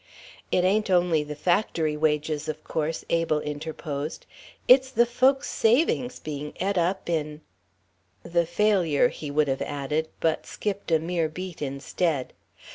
"It ain't only the factory wages, of course," Abel interposed, "it's the folks's savings being et up in "" the failure," he would have added, but skipped a mere beat instead.